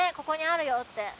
ここにあるよって。